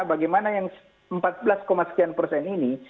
bagaimana yang empat belas sekian persen ini